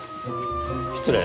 失礼。